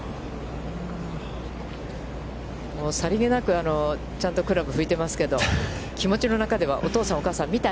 さりげなく、ちゃんとクラブ拭いていますけど、気持ちの中では、お父さん、お母さん、見た？